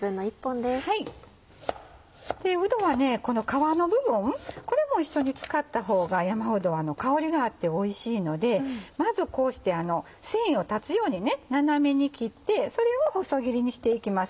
うどはこの皮の部分これも一緒に使った方が山うどは香りがあっておいしいのでまずこうして繊維を断つように斜めに切ってそれを細切りにしていきますね。